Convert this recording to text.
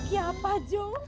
ya apa jo